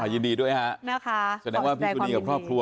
ยินดีด้วยฮะนะคะแสดงว่าพี่คืนดีกับครอบครัว